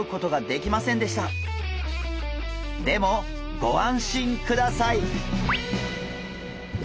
でもご安心ください！